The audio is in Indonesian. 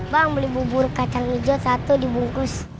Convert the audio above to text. bang beli bubur kacang hijau satu dibungkus